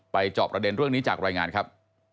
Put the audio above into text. จอบประเด็นเรื่องนี้จากรายงานครับ